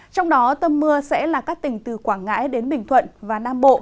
trong đó tâm mưa sẽ là các tỉnh từ quảng ngãi đến bình thuận và nam bộ